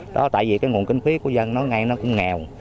đó tại vì cái nguồn kinh phí của dân nó ngay nó cũng nghèo